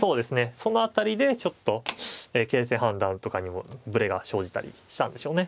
その辺りでちょっと形勢判断とかにもブレが生じたりしたんでしょうね。